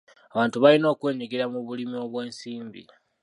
Abantu balina okwenyigira mu bulimi obw'ensimbi.